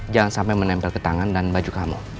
jangan sampai menempel ke tangan dan baju kamu